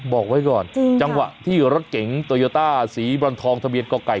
บอกไว้ก่อนจังหวะที่รถเก๋งโตโยต้าสีบรอนทองทะเบียนก่อไก่